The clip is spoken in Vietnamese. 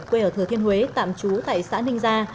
quê ở thừa thiên huế tạm trú tại xã ninh gia